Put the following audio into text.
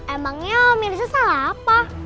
emangnya om mirza salah apa